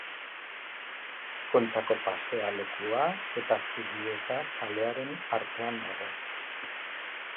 Kontxako pasealekua eta Zubieta kalearen artean dago.